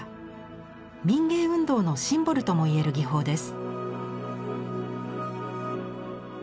民藝運動のシンボルともいえる技法です。